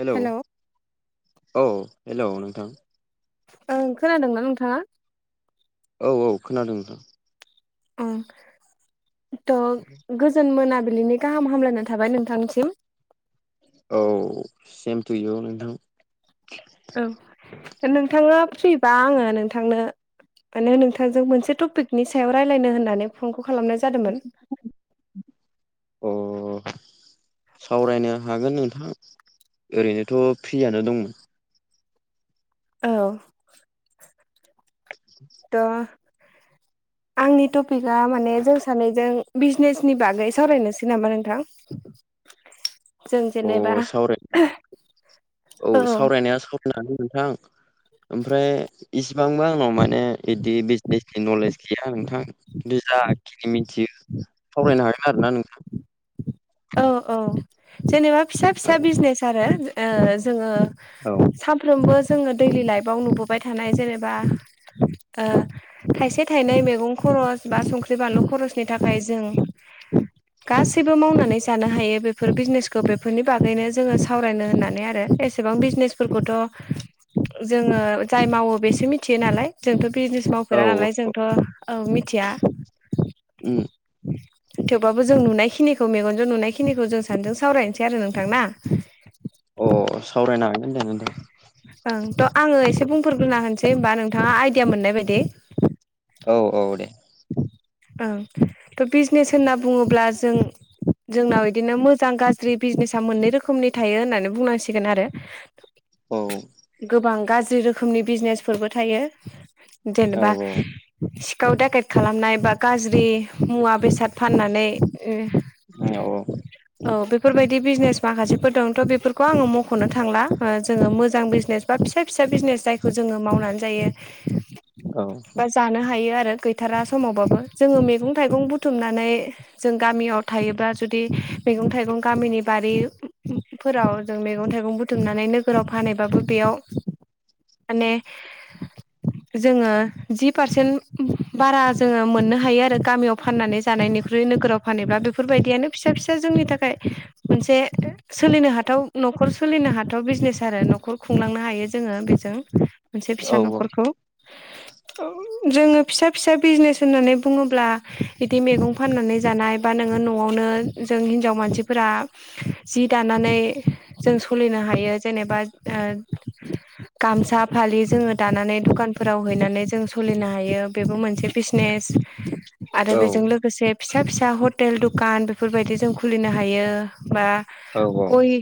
hello औ hello नोंथां ओं खोनादों ना नोंथाङा औ औ खोनादों नोंथां ओं थ' गोजोन मोनाबिलिनि गाहाम हामलायना थाबाय नोंथांसिम औ सेम थु इउ नोंथां औ दा नोंथांआ फ्रिबा आङो नोंथांनो आनो नोंथांजों मोनसे टपिकनि सायाव रायल्लायनो होननानै फनखौ खालाम अ सावरायनो हागोन नोंथां ओरैनोथ' फ्रियानो दंमोन औ [inaudible] दा आंनि टपिकआ माने जों सानैजों बिजनेसनि बागै सावरायनोसै नामा नोंथां जों जेनेबा अ सावराय औ होननानै नोंथां आं ओमफ्राय इसिबांबो आंनाव माने बिदि बिजनेसनि नलेज गैया नोंथां जा जाखिनि मिथियो सावरायनो हागोन आरोना नोंथां औ औ जेनेबा फिसा फिसा औ बिजनेस आरो जोङो औ सानफ्रोमबो जोङो दैलि लाइफआव नुबोबाय थानाय जेनेबा ओ थाइसे थाइनै मेगं खरस बा संख्रि बानलु खरसनि थाखाय जों गासिबो मावनानै जानो हायो बेफोर बिजनेसखौ बेफोरनि बागैनो जोङो सावरायनो होननानै आरो एसेबां बिजनेस फोरखौथ' जोङो जाय मावो बेसो मिथियो नालाय जोंथ' बिजने मावफेरा औ नालाय जोंथ' औ मिथिया उम थेवबो जों नुनायखिनिखौ मेगन ' नुनायखिनिखौ जों सानैजों सावरायनोसै आरो नोंथांना अ सावरायनो हागोन दे नोंथां ओं थ' आङो एसे बुंफोरग्रोना होनोसै होनबा नोंथाङा आइडिया मोननाय बायदि औ औ दे ओं थ' बिजनेस होनना बुङोब्ला जों जोंनाव बिदिनो मोजां गाज्रि बिजनेसा मोननै रोखोमनि थायो होननानै बुंनांसिगोन आरो [unintelligible] औ गोबां गाज्रि रोखोमनि बिजनेसफोरबो थायो औ जेनेबा सिखाव दागेद खालामनाय बा गाज्रि मुवा बेसाद फाननानै औ औ औ बेफोरबायदि बिजनेस माखासेफोर दंथ' बेफोरखौ आङो मख'नो थांला जोङो मोजां बिजनेस बा फिसा फिसा बिजनेस जायखौ जोङो मावनानै जायो औ बा जानो हायो आरो गैथारा समावबाबो जोङो मैगं थाइगं बुथुमनानै जों गामियाव थायोब्ला जुदि मैगं थाइगं गामिनि बारि फोराव जों मैगं थाइगं बुथुमनानै नोगोराव फानबाबो बेयाव माने जोङो जि पारसेन्ट बारा जोङो मोननो हायो थायो आरो गामियाव फाननानै जानायनिख्रुइ नोगोराव फानब्ला बेफोरबायदियानो फिसा फिसा जोंनि थाखाय मोनसे सोलिनो हाथाव न'खर सोलिनो हाथाव बिजनेस आरो न'खर खुंलांनो हायो जोङो बेजों मोनसे फिसा औ न'खरखौ जोङो फिसा फिसा बिजनेस होननानै बुङोब्ला बिदि मैगं फाननानै जानाय बा नोङो न'आवनो जों हिनजाव मानसिफोरा जि दानानै जों सलिनो हायो जेनेबा गामसा फालि जोङो दानानै दखानफोराव हैनानै जों सोलिनो हायो बेबो मोनसे बिजनेस आरो औ बेजों लोगोसे फिसा फिसा हटेल दखान बेफोरबायदि जों खुलिनो हायो बा औ औ गय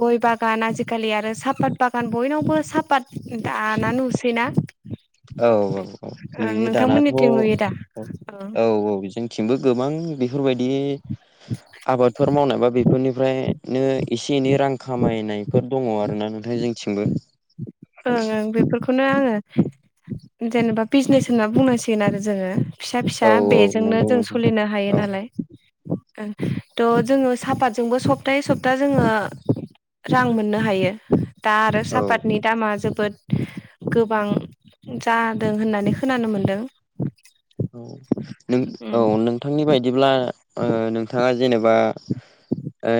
गय बागान आजिखालि आरो साहापत बागान बयनावबो सापात दाना नुसैना औ औ औ ओं नुयो दानाथ' नोंथांमोननिथिं नुयो दा ओं औ औ जोंथिंबो गोबां बेफोरबायदि [inaudible] आबादफोर मावनायबा बेफोरनिफ्रायनो एसे एनै रां खामायनायफोर दङ आरोना नोंथां जोंथिंबो ओं ओं बेफोरखौनो आङो जेनेबा बिजनेस होनना बुंनांसिगोन आरो जोङो फिसा औ फिसा औ बेजोंनो नंगौ जों नोंथां सोलिनो हायो औ नालाय थ' जोङो सापातजोंबो सप्तायै सप्ता जोङो रां मोननो हायो दा आरो औ सापातनि दामा जोबोद गोबां जादों होननानै खोनानो मोन्दों औ न उम औ नोंथांनि बायदिब्ला नोंथाङा जेनेबा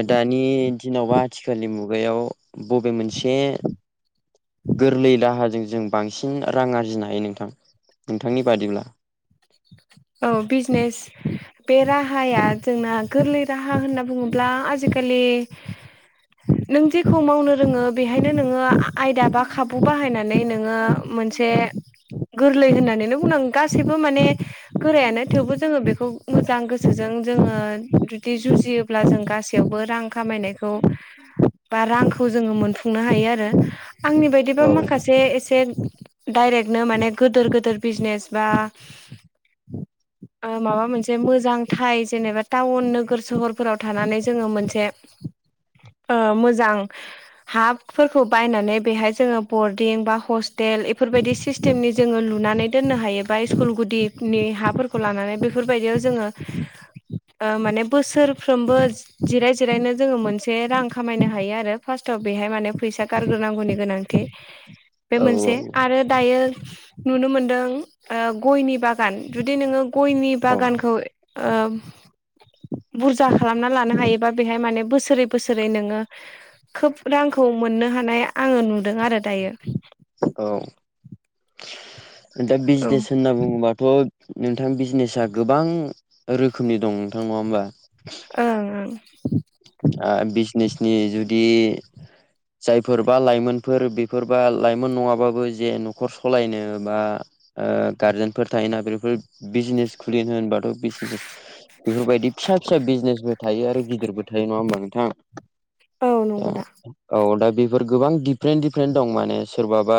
दानि दिनावबा आथिखालनि मुगायाव बबे मोनसे गोरलै राहाजों जों बांसिन रां आरजिनो हायो नोंथां नोंथांनि बादिब्ला औ बिजजनेस बे राहाया जोंना गोरलै राहा होनना बुङोब्ला आजिखालि नों जेखौ मावनो रोङो बेहायनो नोङो आयदा बा खाबु बाहायनानै नोङो मोनसे गोरलै होननानै बुंनांग गासैबो माने गोरायानो थेवबो जोङो बेखौ मोजां गोसोजों जोङो जुदि जुजियो अब्ला जों गासैयावबो रां खामायनायखौ बा रांखौ जोङो मोनफुंनो हायो आरो आंनि बायदि बिदिबा औ माखासे एसे डाइरेक्टनो माने गिदोर गिदिर बिजनेस बा माबा मोनसे मोजांथ जेनेबा टाउन नोगोर सहरफोराव थानानै जोङो मोनसे मोजां हाफोरखौ बायनानै बेहाय जोङो बरडिं बा हस्टेल बेफोरबायदि सिस्ेम सिस्टेमनि जोङो लुनानै दोननो हायो बा स्कुल गुदिनि हाफोरखौ लानानै बेफोरबायदियाव जोङो माने बोसोरफ्रोमबो जिराय जिरायनो जोङो मोनसे रां खामायनो हायो आरो फार्स्टआव बेहाय माने फैसा गारग्रोनांगौनि गोनांथि [inaudible] बे औ मोनसे आरो दायो नुनो मोनदों गयनि बागान जुदि नोङो गयनि औ बागानखौ बुरजा खालामना लानो हायोबा बेहाय माने बोसोरै बोसोरै नोङो खोब रांखौ मोननो हानाय आङो नुदों आरो दायो औ दा औ बिजनेस होनना बुङोबा थ' नोंथां बिजनेसा गोबां रोखोमनि दं नोंथां नङा होमबा ओ ओ बिजनेसनि जुदि जायफोरबा लाइमोनफोर बेफोरबा लाइमोन नङाबाबो जे न'खर सालायनो बा गारजेनफोर थायोना बेफोर बिजनेस खुलिनो होनबाथ' बिजनेस बेफोरबायदि फिसा फिसा बिजनेसबो थायो आरो गिदिरबो थायो नङा होमबा नोंथाङा औ नंगौ दा औ दा बेफोर गोबां दिडपारेन्ट दिडफारेन्ट दं माने सोरबाबा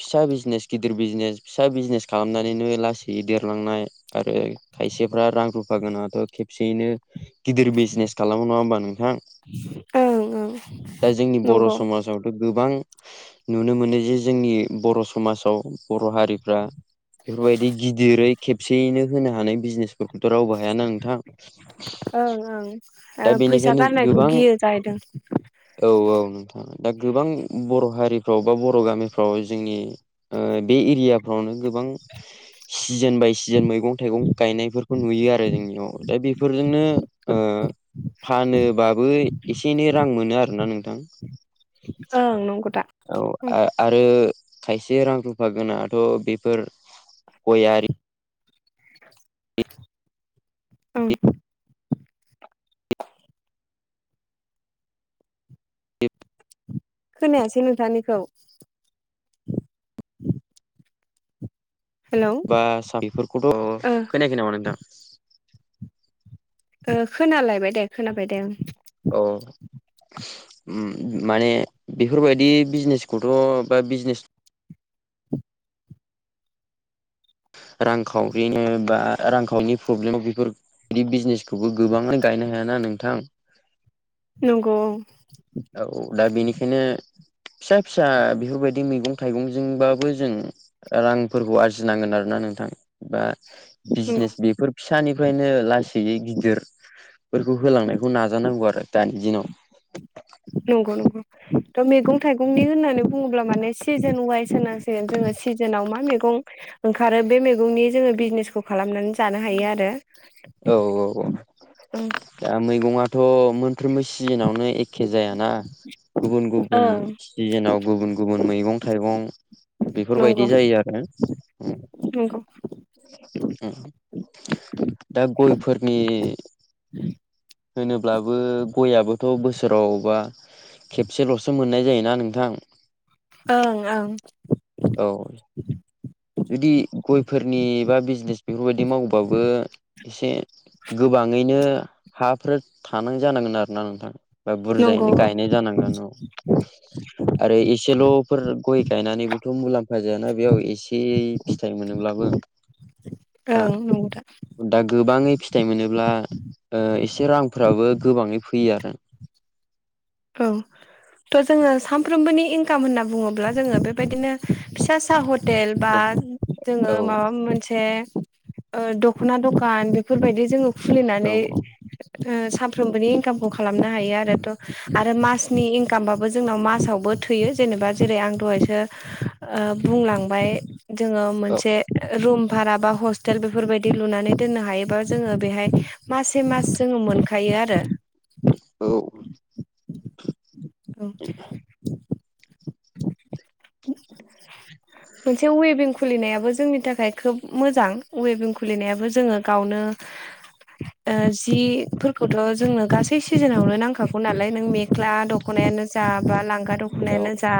फिसा बिजनेस गिदिर बिजनेस फिसा बिजनेस खालामनानैनो लासै देरलांनाय आरो खायसेफ्रा रां रुफा गोनाङाथ' खेबसेयैनो गिदिर बिजनेस खालामो नङा होमबा नोंथां ओं ओं दा जोंनि बर' नंगौ समाजाव गोबां नुनो मोनो जे जोंनि बर' समाजाव बर' हारिफ्रा बेफोरबायदि गिदिरै खेबसेयैनो होनो हानाय बिजनेसफोरखौथ' रावबो हायाना नोंथां ओं दा ओं फैसा बेनिखायनो गारनायखौ गोबां गियो जाहैदों औ औ नोंथां दा गोबां बर' हारिफ्राव बा बर' गामिफ्राव जोंनि बे एरियाफ्रावनो गोबां सिजोन बाय सिजोन मैगं मं थाइगं गायनायफोरखौ नुयो आरो जोंनियाव दा बेफोरजोंनो फानोबाबो एसे एनै रां मोनो आरोना नोंथां ओं नंगौ दा ओं औ आरो खायसे रां रुफा गोनाथ' बेफोर गयारि ओं द खोनायासै नोंथांनिखौ हेलौ बा स बेफोरखौथ' ओ खोनायाखै नामा नोंथां खोनालायबाय दे खोनाबाय दे औ माने बेफोरबायदि बिजनेसखौथ' बा बिजनेस रांखावरिनो बा रांखावरिनि प्रब्लेमाव बेफोर बिदि बिजनेसखौबो गोबाङानो गायनो हायाना नोंथां नंगौ औ औ दा बेनिखायनो फिसा फिसा बेफोरबायदि मैगं थाइगंजोंबाबो जों रांफोरखौ आरजिनांगोन आरोना नोंथां बा नंगौ बिजनेस बेफोर फिसानिफ्रायनो लासैयै गिदिर फोरखौ होलांनायखौ नाजानांगौ आरो दानि दिनाव नंगौ नंगौ थ' मैगं थाइगंनि होननानै बुङोब्ला माने सिजोन वाइस होनांसिगोन जोङो सिजोनाव मा मैगं ओंखारो बे मैगंनि जोङो बिजनेसखौ खालामनानै जानो हायो आरो औ औ औ दा मैगङाथ' मोनफ्रोमबो सिजोनावनो एखे जायाना गुबुन गुबुन ओं सिजोनाव गुबुन गुबुन मैगं थाइगं बेफोरबायदि नंगौ जायो आरो नंगौ दा गयफोरनि होनोब्लाबो गययाबोथ' बोसोरावबा खेबसेल'सो मोननाय जायोना नोंथां ओं ओं औ जुदि गयफोरनि बा बिजनेस बेफोरबायदि मावबाबो एसे गोबाङैनो हाफोर थानांग जानांगोन आरोना नोंथां बा नंगौ बुरजायैनो औ गायनाय जानांगोन औ आरो एसेल'फोर गय गायनानैबोथ' मुलाम्फा जायाना बेयाव एसे ए फिथाइ मोनोब्लाबो ओं नंगौदा दा गोबाङै फिथाइ मोनोब्ला एसे रांफ्राबो गोबाङै फैयो आरो औ थ' जोङो सानफ्रोमबोनि इनकाम होनना बुङोब्ला जोङो बेबायदिनो फिसा सा हर हटेल बा औ जोङो औ माबा मोनसे दख'ना दखान बेफोरबायदि जोङो औ खुलिनानै सानफ्रोमबोनि इनकामखौ खालामनो हायो आरोथ' आरो मासनि इनकामाबो जोंनाव मासावबो थैयो जेनेबा जेरै आं दहायसो बुंलांबाय जोङो औ मोनसे रुम भारा बा हस्टेल बेफोरबायदि लुनानै दोननो हायोबा जोङो बेहाय मसे मास जोङो मोनखायो आरो औ औ मोनसे वबिं खुलिनायाबो जोंनि थाखाय खोब मोजां वेभिं खुलिनायाबो जोङो गावनो जिफोरखौथ' जोंनो गासै सिजोनावनो नांखागौ नालाय नों मेख्ला दख'ना दख'नायानो जा बा लांगा औ दख'नायानो जा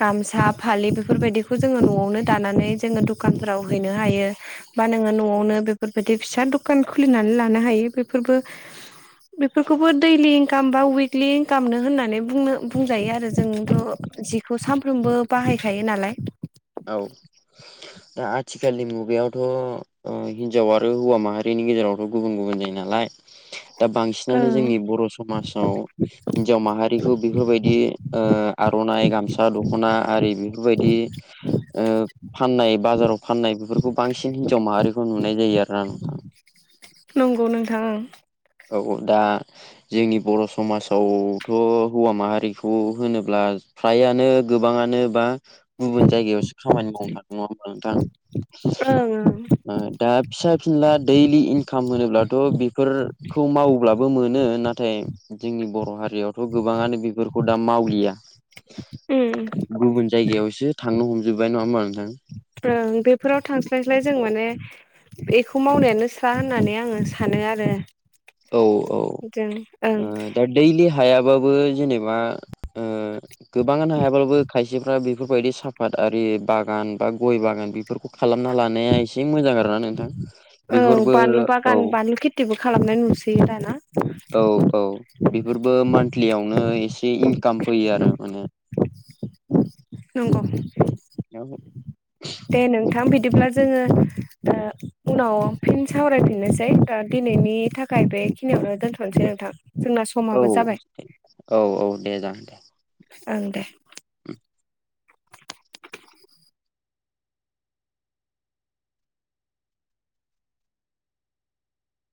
गामसा फालि बेफोरबायदि जनो द ज दखाव हैनो हायो बा नोंङो नआवनो बेफोरबायदि फिसा दखान खुलिनानै लानो हायो बेफोरबो बेफोरखौबो दैलि इनकाम बा उइकलि इनकामनो होननानै बुंनो बुंजायो आरो जोंथ' जिखौ सानफ्रोमबो बाहायखायो नालाय औ दा आथिखालनि मुगायावथ' हिनजाव आरो हौवा माहारिनि गेजेरावथ' गुबुन गुबुन जायो नालाय आ दा बांसिनानो जोंनि बर' समाजाव हिन्जाव माहारिखौ बेफोरबायदि आर'नाइ गामसा दख'ना आरि बेफोरबायदि फाननाय बाजाराव फाननाय बेफोरखौ बांसिन हिन्जाव माहारिखौ नुनाय जायो आरोना नोंथां नंगौ नोंथां औ दा जोंनि बर' समाजावथ' हौवा माहारिखौ होनोब्ला फ्रायानो गोबाङानो बा गुबुन जायगायावसो खामानि मावनो थां नङा होमा नोंथां ओं दा फिसा फिनला दैलि इनकाम होनोब्लाथ' बेफोर खौ मावोब्लाबो मोनो नाथाय जोंनि बर' हारियाव गोबाङानो बेफोरखौ दा मावलिया ओं गुबुन जायगायावसो थांनो हमजोब्बाय नङा होमबा नोंथां ओं बेफोराव थांस्लायस्लाय जों माने बेखौ मावनायानो स्रा होननानै आङो सानो आरो औ औ जों ओं दा दैलि हायाबाबो जेनेबा गोबाङानो हायाबाबो खायसेफ्रा बेफोरबायदि साफाद आरि बागान बा गय बागान बेफोरखौ खालामना लानाया एसे एसे मोजां आरो ना नोंथां औ बेफोरबो बानलु औ बागान बानलु खेथिबो खालामनाय नुसैयो आर ना औ औ बेफोरबो मान्थलियावनो एसे इनकाम फैयो आरो माने नंगौ औ दे नोंथां बिदिब्ला जोङो उनाव फिन सावरायफिननोसै दा दिनैनि थाखाय बेखिनियावनो दोनथ'नोसै नोंथां जोंना औ समाबो जाबाय औ औ दे जागोन दे ओं दे उ